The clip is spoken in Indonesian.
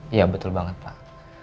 iya betul banget pak